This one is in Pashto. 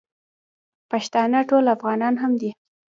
پښتانه ټول افغانان هم دي.